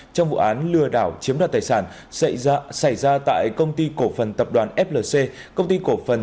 trong vụ án lừa đảo chiếm đoạt tài sản xảy ra tại công ty cổ phần tập đoàn flc công ty cổ phần